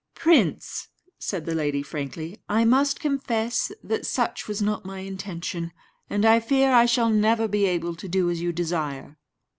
"Prince," said the lady, frankly, "I must confess that such was not my intention, and I fear I shall never be able to do as you desire."